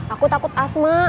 aku takut asma